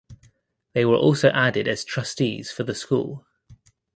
They were also added as trustees for the school.